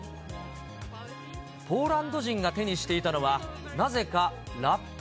ポーランド人が手にしていたのは、なぜかラップ。